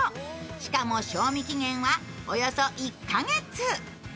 しかも賞味期限はおよそ１カ月。